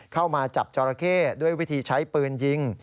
เข้ามาจับจอราเข้ด้วยวิธีใช้ปืนยิง